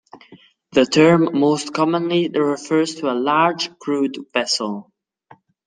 The term most commonly refers to a large, crewed vessel.